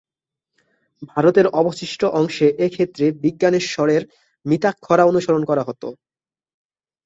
ভারতের অবশিষ্ট অংশে এ ক্ষেত্রে বিজ্ঞানেশ্বরের মিতাক্ষরা অনুসরণ করা হতো।